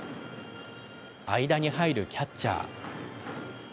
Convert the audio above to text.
間に入るキャッチャー。